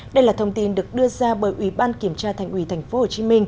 đây là thông tin được đưa ra bởi ủy ban kiểm tra thành ủy tp hcm